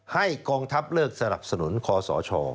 ๕ให้กองทัพเลือกสนับสนุนคศ